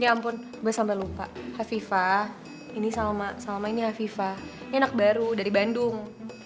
ya ampun gue sampai lupa fifa ini salma salma ini fifa enak baru dari bandung